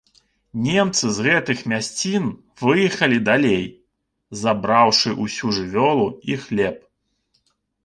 Немцы з гэтых мясцін выехалі далей, забраўшы ўсю жывёлу і хлеб.